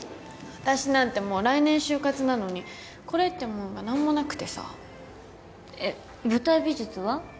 私なんてもう来年就活なのにこれってもんが何もなくてさえっ舞台美術は？